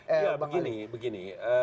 ya begini begini